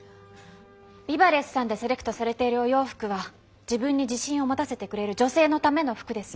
ＢＩＢＡＬＥＳＳさんでセレクトされているお洋服は自分に自信を持たせてくれる女性のための服です。